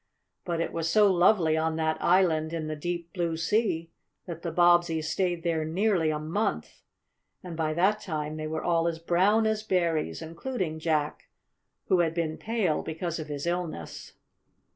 But it was so lovely on that island in the deep, blue sea that the Bobbseys stayed there nearly a month, and by that time they were all as brown as berries, including Jack, who had been pale because of his illness.